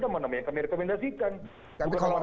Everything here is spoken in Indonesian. itu nama nama yang kami rekomendasikan